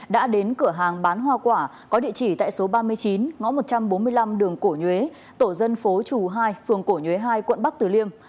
đã đến cửa hàng bán hoa quả có địa chỉ tại số ba mươi chín ngõ một trăm bốn mươi năm đường cổ nhuế tổ dân phố chù hai phường cổ nhuế hai quận bắc tử liêm